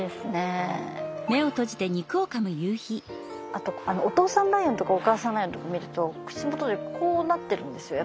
あとあのお父さんライオンとかお母さんライオンとか見ると口元でこうなってるんですよ